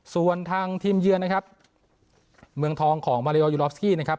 ส่วนทางทีมเยือนนะครับเมืองทองของมาริโอยูรอฟสกี้นะครับ